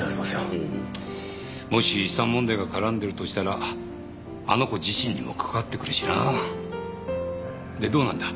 うんもし遺産問題が絡んでるとしたらあの子自身にも関わってくるしなでどうなんだ？